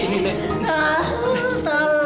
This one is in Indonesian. saya minta bantuan